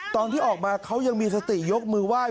ตอนที่ออกมาเขายังมีสติยกมือไหว้